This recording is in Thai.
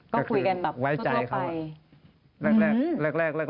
ก็คุยกันแบบวิจัย